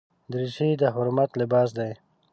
دریشي د حرمت لباس دی.